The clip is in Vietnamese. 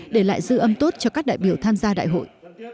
để lại dư âm tốt cho các đại biểu tham gia đại hội